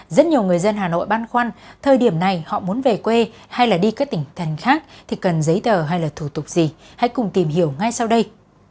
rất nhiều người dân hà nội băn khoăn thời điểm này họ muốn về quê hay đi các tỉnh thành khác thì cần giấy tờ hay là thủ tục gì hãy cùng tìm hiểu ngay sau đây